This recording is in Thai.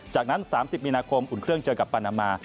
จากนั้น๓๐มีนาคมอุ่นเครื่องเจอกับปานามา